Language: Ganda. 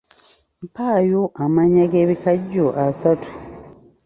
Mpaayo amannya g’ebikajjo asatu.